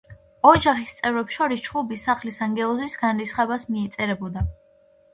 ოჯახის წევრებს შორის ჩხუბი სახლის ანგელოზის განრისხებას მიეწერებოდა.